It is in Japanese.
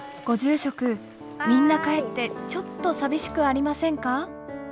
ご住職みんな帰ってちょっと寂しくありませんか？